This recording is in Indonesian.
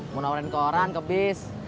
mau nomorin koran ke bis